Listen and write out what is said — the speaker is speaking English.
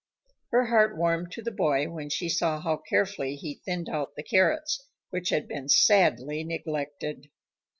Her heart warmed to the boy when she saw how carefully he thinned out the carrots, which had been sadly neglected.